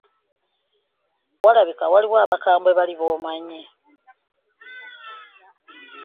Walabika waliyo abakambwe bali b'omanyi.